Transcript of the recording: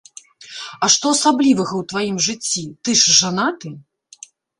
А што асаблівага ў тваім жыцці, ты ж жанаты?